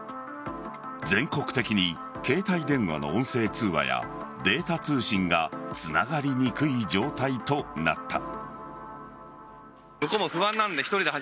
全国的に携帯電話の音声通話やデータ通信がつながりにくい状態となった。